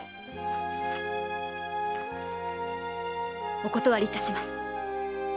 お断りいたします。